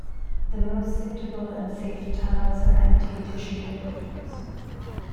The most suitable and safe tunnels are empty tissue paper rolls.